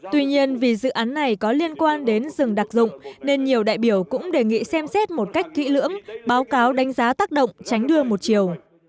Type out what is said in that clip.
tuy nhiên vì dự án này có liên quan đến rừng đặc dụng nên nhiều đại biểu cũng đề nghị xem xét một cách kỹ lưỡng báo cáo đánh giá tác động tránh đưa một chiều